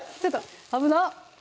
危なっ！